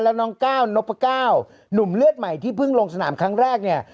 แล้วน้องก้าวนพก้าวหนุ่มเลือดใหม่ที่เพิ่งลงสนามครั้งแรกเนี่ย